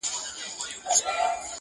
وځان ته بله زنده گي پيدا كړه-